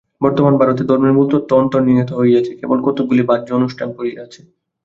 বর্তমান ভারতে ধর্মের মূলতত্ত্ব অন্তর্হিত হইয়াছে, কেবল কতকগুলি বাহ্য অনুষ্ঠান পড়িয়া আছে।